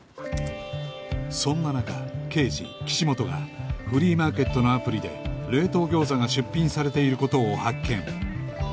そんな中刑事岸本がフリーマーケットのアプリで冷凍餃子が出品されている事を発見